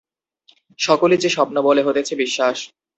সকলি যে স্বপ্ন বলে হতেছে বিশ্বাস।